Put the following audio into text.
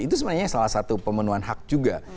itu sebenarnya salah satu pemenuhan hak juga